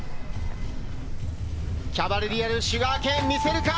キャバレリアルシュガーケーン、見せるか？